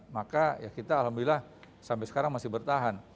maka ya kita alhamdulillah sampai sekarang masih bertahan